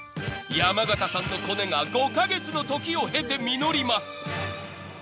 ［山縣さんのコネが５カ月の時を経て実ります］